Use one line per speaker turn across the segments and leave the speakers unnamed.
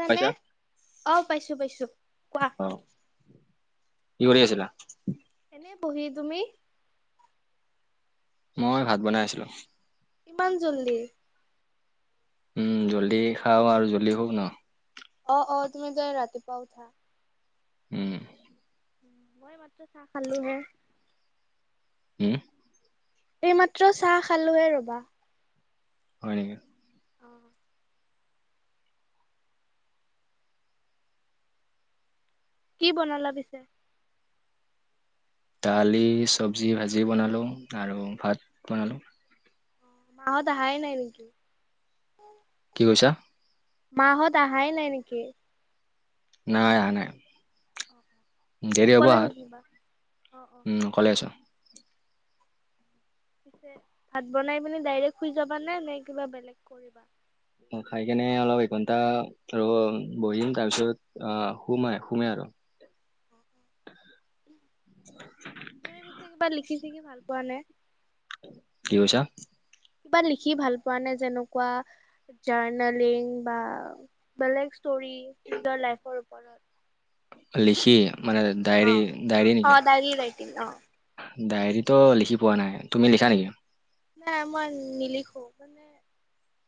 শুনা পাইছা
অ পাইছো পাইছো। কোৱা?
অ, কি কৰি আছিলা?
এনে বহি। তুমি?
মই ভাত বনাই আছিলো।
ইমান জল্দি?
উম জল্দি খাওঁ আৰু জল্দি শুম ন।
অ অ তুমি যে ৰাতিপুৱা উঠা।
উম।
মই মাত্ৰ চাহ খালো হে।
উমহ।
এই মাত্ৰ চাহ খালোহে ৰবা।
হয় নেকি?
অ। কি বনালা পিছে?
দালি, চব্জি ভাজি বনালোঁ আৰু ভাত বনালোঁ।
অ মাহত আহাই নাই নেকি?
কি কৈছা?
মাহঁত আহাই নাই নিকি?
নাই আহাঁ নাই।
অ।
দেৰি হ'ব
অকলে
আৰ
থাকিবা অ অ
উম অকলে আছ।
ছে ভাত বনাই পিনি ডাইৰেক শুই যাবা নে নে কিবা বেলেগ কৰিবা?
অ খাই কেনে অলপ এঘণ্টা ৰ বহিম তাৰপিছত আ শুমে শুমে আৰু। [unintelligible]
চিঞৰি পিছে কিবা লিখি চিকি ভাল পোৱা নে?
কি কৈছা?
কিবা লিখি ভাল পোৱা নে যেনেকুৱা জাৰ্ণেলিং বা বেলেগ ষ্টৰি নিজৰ লাইফৰ ওপৰত
লিখি মানে ডায়ৰী
অ',
ডায়ৰী নেকি?
অ', ডায়েৰী ৰাইটিং অ',
ডায়েৰীটো লিখি পোৱা নাই, তুমি লিখা নেকি?
নাই মই নিলিখো মানে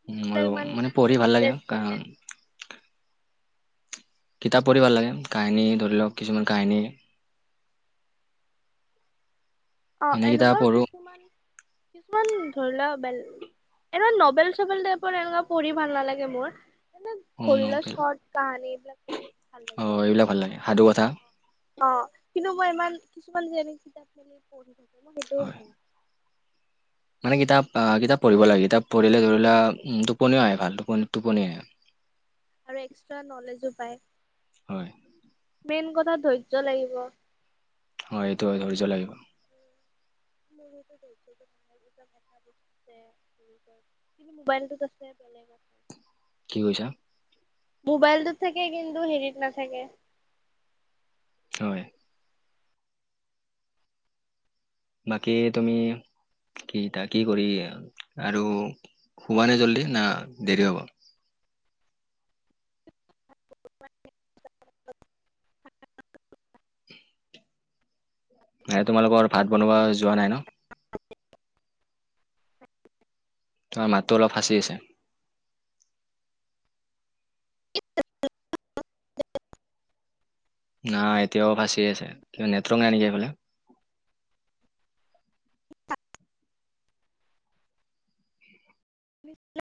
মোৰ
ময়ো
এইবিলাক ইমান
মানে পঢ়ি ভাল লাগে
ইনটাৰেষ্ট নাই।
কা- কিতাপ পঢ়ি ভাল লাগে, কাহিনী ধৰি লওক কিছুমান কাহিনী
অ
এনে কিতাপ
এনেকুৱাও
পঢ়ো
কিছুমান কিছুমান ধৰি লোৱা বেল এনেকুৱা নবেল - চবেল টাইপৰ এনেকুৱা পঢ়ি ভাল নালাগে মোৰ। মানে
অ
ধৰি লোৱা
নভেল
শৰ্ট কাহানী এইবিলাক ভাল
অ
লাগে আৰু।
এইবিলাক ভাল লাগে সাধু কথা
অ কিন্তু মই ইমান কিছুমান যেনে কিতাপ মেলি পঢ়ি থাকে মই সেইটোও
হয়
ভাল ন।
মানে কিতাপ আ কিতাপ পঢ়িব লাগে, কিতাপ পঢ়িলে ধৰি লোৱা উম টোপনিও আহে ভাল টোপনি - টোপনি আহে।
আৰু এক্সট্ৰা নলেজো পায়।
হয়।
মেইন কথা ধৈৰ্য লাগিব।
হয় এইটো ধৈৰ্য লাগিব।
[unintelligible] [inaudible] কিন্তু মোবাইলটোত আছে বেলেগত।
কি কৈছা?
মোবাইলটোত থাকে কিন্তু হেৰিত নাথাকে।
হয়। বাকী তুমি কি টা কি কৰি আৰু শুবা নে জল্দি না দেৰি হ'ব?
[unintelligible] [unintelligible]
এ তোমালোকৰ ভাত বনোৱা যোৱা নাই ন? তোমাৰ মাতটো অলপ পাচি আছে।
[unintelligible]
নাই এতিয়াও পাচি আছে, কিবা নেটৱৰ্ক নাই নেকি এইফালে?
[unintelligible]